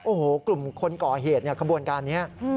โอ้โหกลุ่มคนก่อเหตุเนี่ยขบวนการนี้